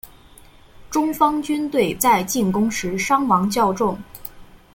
中方军队在进攻时伤亡较重。